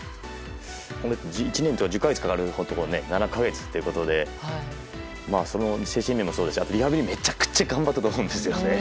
１年とか１０か月かかるところを７か月ということで精神面もそうですしリハビリ、めちゃくちゃ頑張ったと思うんですよね。